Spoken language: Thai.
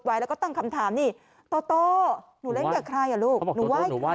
เฮ้ยเล่นกับใครอ่ะ